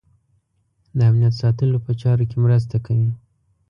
د امنیت ساتلو په چارو کې مرسته کوي.